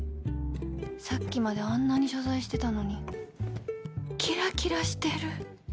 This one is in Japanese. さっきまであんなに謝罪してたのにキラキラしてる